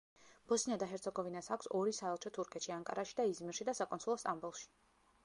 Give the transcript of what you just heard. ბოსნია და ჰერცეგოვინას აქვს ორი საელჩო თურქეთში ანკარაში და იზმირში და საკონსულო სტამბოლში.